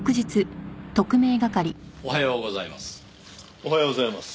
おはようございます。